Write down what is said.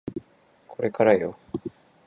これからよ